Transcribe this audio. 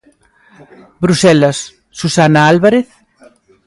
Bruxelas, Susana Álvarez?